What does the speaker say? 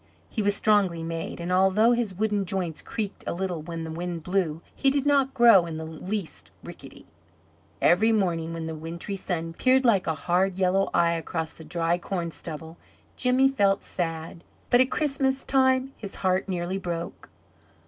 He was strongly made, and although his wooden joints creaked a little when the wind blew he did not grow in the least rickety. Every morning, when the wintry sun peered like a hard yellow eye across the dry corn stubble, Jimmy felt sad, but at Christmas time his heart nearly broke.